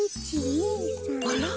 あら？